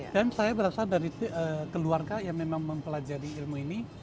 dan saya berasal dari keluarga yang memang mempelajari ilmu ini